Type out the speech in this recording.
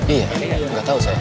iya gak tau saya